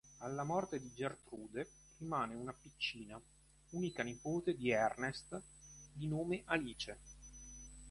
Alla morte di Gertrude rimane una piccina, unica nipote di Ernest, di nome Alice.